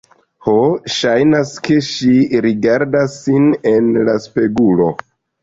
Ho, ŝajnas, ke ŝi rigardas sin en la spegulo